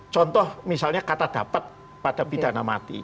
contoh misalnya kata dapat pada pidana mati